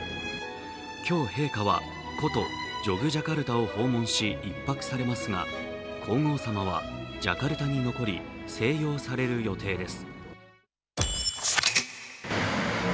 今日、陛下は古都・ジョクジャカルタを訪問し１泊されますが皇后さまはジャカルタに残り静養される予定です。